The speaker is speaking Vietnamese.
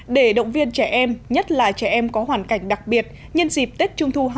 để động viên trẻ em nhất là trẻ em có hoàn cảnh đặc biệt nhân dịp tết trung thu hai nghìn hai mươi